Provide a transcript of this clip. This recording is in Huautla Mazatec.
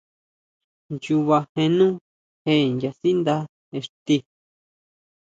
Nnyuba jénú je nyasíndá ixti.